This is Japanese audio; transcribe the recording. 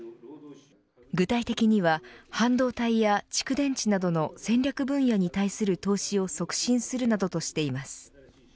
具体的には半導体や蓄電池などの戦略分野に対する投資を促進するなどとしています。